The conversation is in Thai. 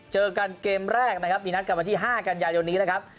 เจอกันเกมแรกนะครับมีนัดกันวันที่๕กันยายนนี้นะครับ